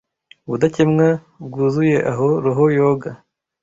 ubudakemwa bwuzuye aho roho yoga